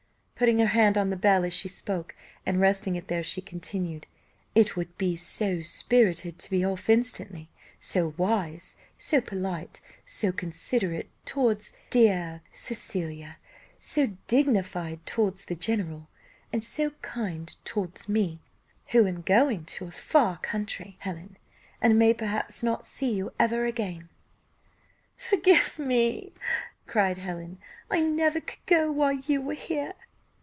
putting her hand on the bell as she spoke, and resting it there, she continued "It would be so spirited to be off instantly; so wise, so polite, so considerate towards dear Cecilia so dignified towards the general, and so kind towards me, who am going to a far country, Helen, and may perhaps not see you ever again." "Forgive me!" cried Helen; "I never could go while you were here."